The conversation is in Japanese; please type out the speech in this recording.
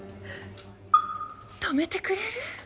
止めてくれる？